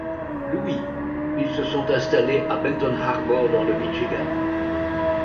Louis ils se sont installés à Benton Harbor dans le Michigan.